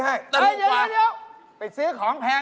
ไม่นี่พี่